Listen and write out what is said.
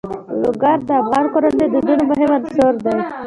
لوگر د افغان کورنیو د دودونو مهم عنصر دی.